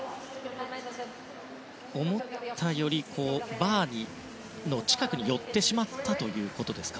思ったよりバーの近くに寄ってしまったということですか。